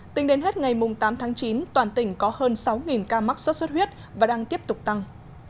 tính đến hết ngày tám tháng chín toàn tỉnh có hơn sáu ca mắc sốt xuất huyết và đang tiếp tục tăng